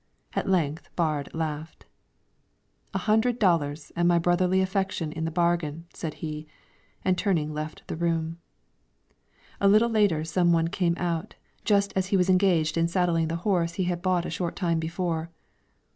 At length Baard laughed. "A hundred dollars and my brotherly affection in the bargain," said he, and turning left the room. A little later, some one came out to him, just as he was engaged in saddling the horse he had bought a short time before.